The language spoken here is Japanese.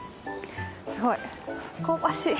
すごい香ばしい！